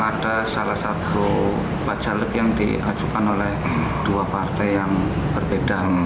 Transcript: ada salah satu bacalek yang diajukan oleh dua partai yang berbeda